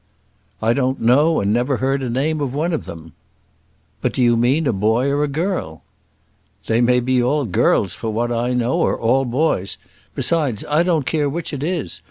"I don't know, and never heard the name of one of them." "But do you mean a boy or a girl?" "They may be all girls for what I know, or all boys; besides, I don't care which it is.